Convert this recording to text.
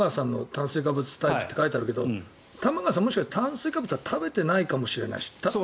炭水化物タイプと書いてあるけど玉川さんはもしかしたら炭水化物は食べていないかもしれない。